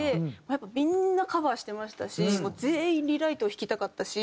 やっぱみんなカバーしてましたしもう全員『リライト』を弾きたかったし。